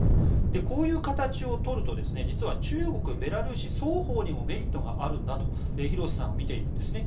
こういう形を取ると実は中国・ベラルーシ双方にもメリットがあるんだと廣瀬さんは見ているんですね。